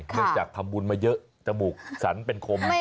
จากทำบุญมาเยอะจมูกสันเป็นคม